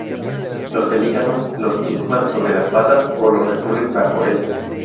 Los pelícanos los incuban sobre la patas o los recubren bajo ellas.